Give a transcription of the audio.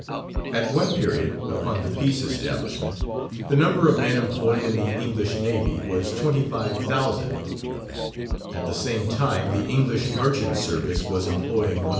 At one period, upon the Peace Establishment, the number of men employed in the English Navy was 25,000; at the same time, the English Merchant Service was employing 118,952.